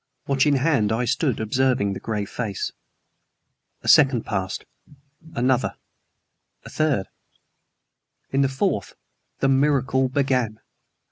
Watch in hand, I stood observing the gray face. A second passed; another; a third. In the fourth the miracle began.